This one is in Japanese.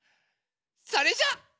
それじゃあ。